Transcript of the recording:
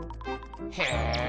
へえ。